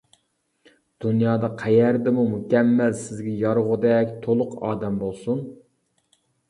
دۇنيادا قەيەردىمۇ مۇكەممەل سىزگە يارىغۇدەك تولۇق ئادەم بولسۇن.